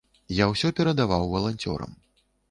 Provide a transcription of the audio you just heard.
Я ўсё перадаваў валанцёрам.